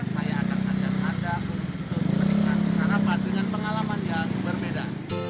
saya akan ajak anda untuk menikmati sarapan dengan pengalaman yang berbeda